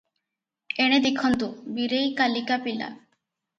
ଏଣେ ଦେଖନ୍ତୁ, ବୀରେଇ କାଲିକା ପିଲା ।"